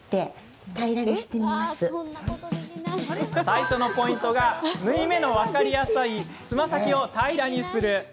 最初のポイントが縫い目の分かりやすいつま先を平らにする。